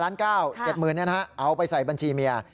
๕๙๗๐๐๐๐เนี่ยนะฮะเอาไปใส่บัญชีเมีย